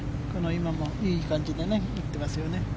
今もいい感じで打ってますよね。